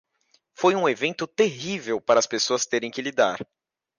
Foi um evento terrível para as pessoas terem que lidar.